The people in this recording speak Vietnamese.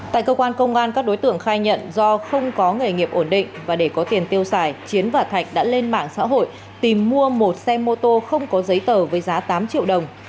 tại cơ quan công an các đối tượng khai nhận do không có nghề nghiệp ổn định và để có tiền tiêu xài chiến và thạch đã lên mạng xã hội tìm mua một xe mô tô không có giấy tờ với giá tám triệu đồng